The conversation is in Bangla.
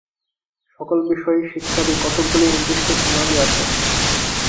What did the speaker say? সকল বিষয় শিক্ষারই কতকগুলি নির্দিষ্ট প্রণালী আছে।